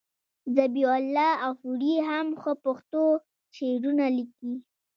ذبیح الله غفوري هم ښه پښتو شعرونه لیکي.